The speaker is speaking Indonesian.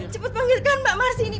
cepet panggilkan mbak marsini